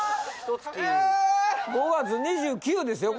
５月２９ですよ。